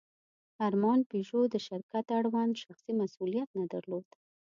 ارمان پيژو د شرکت اړوند شخصي مسوولیت نه درلود.